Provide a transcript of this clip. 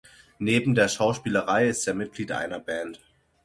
Neben der Schauspielerei ist er Mitglied einer Band.